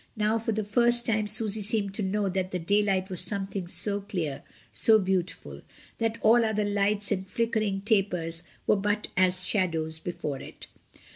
Now for the first time Susy seemed to know that the daylight was something so clear, so beautiful, that all other lights and flicker ing tapers were but as shadows before it.